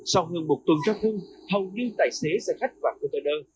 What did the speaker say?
sau hơn một tuần trao thương hầu như tài xế xe khách và container